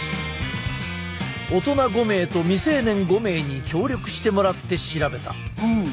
大人５名と未成年５名に協力してもらって調べた。